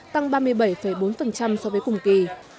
tăng ba mươi bảy bốn so với cùng kỳ